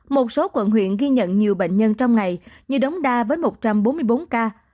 một số quận huyện ghi nhận nhiều bệnh nhân trong ngày như đống đa với một trăm bốn mươi bốn ca